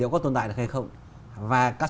có tồn tại được hay không và